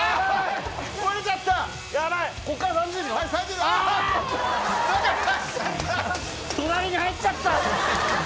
中に入っちゃった！